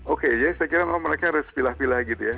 oke jadi saya kira memang mereka harus pilah pilah gitu ya